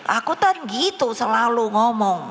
aku kan gitu selalu ngomong